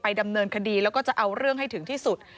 ดำเนินคดีแล้วก็จะเอาเรื่องให้ถึงที่สุด